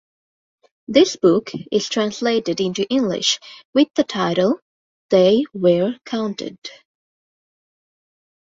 This book is translated into English with the title "They Were Counted".